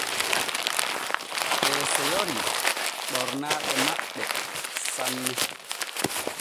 Ɓee seyori ɓornaaɗe maɓɓe sanne.